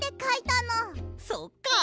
そっか！